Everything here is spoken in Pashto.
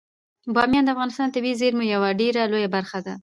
بامیان د افغانستان د طبیعي زیرمو یوه ډیره لویه برخه ده.